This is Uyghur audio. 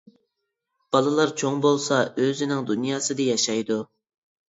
بالىلار چوڭ بولسا ئۆزىنىڭ دۇنياسىدا ياشايدۇ.